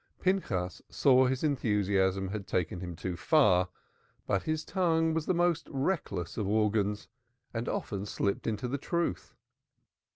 Pinchas saw his enthusiasm had carried him too far, but his tongue was the most reckless of organs and often slipped into the truth.